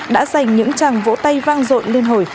đã dành những chàng vỗ tay vang rộn lên hồi